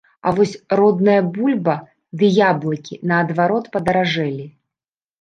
А вось родная бульба ды яблыкі, наадварот, падаражэлі!